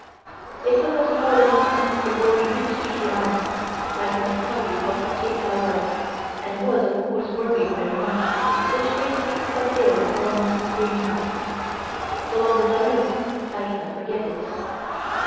"It took us more than a month before we reached Shi An. I cannot tell you how fatigued I was, and was of course worrying very much, which made me quite ill for almost three months. So long as I live I cannot forget it.